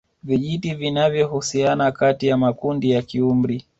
Vijiti vinavyohusiana kati ya makundi ya kiumri